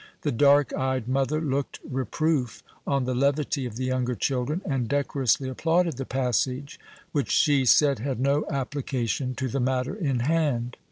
The dark eyed mother looked reproof on the levity of the younger children, and decorously applauded the passage, which she said had no application to the matter in hand.